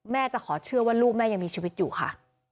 จะขอเชื่อว่าลูกแม่ยังมีชีวิตอยู่ค่ะ